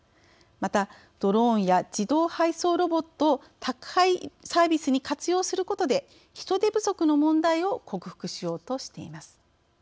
またドローンや自動配送ロボットを宅配サービスに活用することで人手不足の問題を克服しようとしています。